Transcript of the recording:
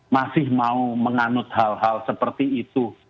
masih mau menganut hal hal seperti itu